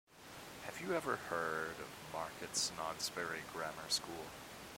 Have you ever heard of Market Snodsbury Grammar School?